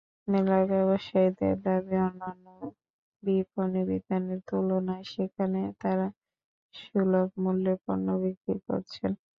মেলার ব্যবসায়ীদের দাবি, অন্যান্য বিপণিবিতানের তুলনায় সেখানে তারা সুলভমূল্যে পণ্য বিক্রি করছেন।